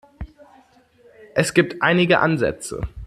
Es gibt einige Ansätze.